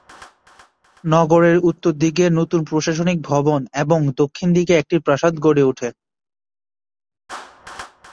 নগরের উত্তর দিকে নতুন প্রশাসনিক ভবন এবং দক্ষিণ দিকে একটি প্রাসাদ গড়ে ওঠে।